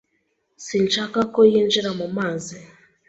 Sinshaka ko yinjira mu mazi.